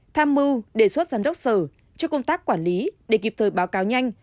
tham mưu đề xuất giám đốc sở cho công tác quản lý để kịp thời báo cáo nhanh